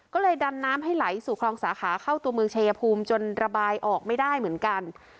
ก็เลยดันน้ำให้ไหลสู่คลองสาขาเข้าตัวเมืองชายภูมิจนระบายออกไม่ได้เหมือนกัน